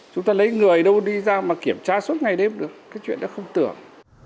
chúng ta lấy người đâu đi ra mà kiểm tra suốt ngày đêm được cái chuyện đã không tưởng